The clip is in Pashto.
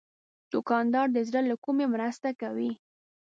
دوکاندار د زړه له کومي مرسته کوي.